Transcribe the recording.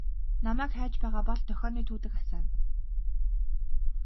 Намайг хайж байгаа бол дохионы түүдэг асаана.